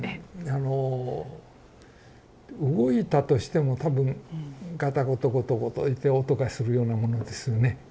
あの動いたとしても多分がたごとごとごといって音がするようなものですよね。